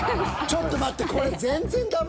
ちょっと待って。